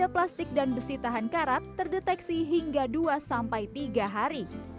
tiga plastik dan besi tahan karat terdeteksi hingga dua sampai tiga hari